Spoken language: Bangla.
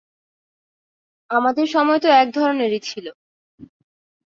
আমাদের সময় তো এক ধরনেরই ছিল।